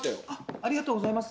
ありがとうございます。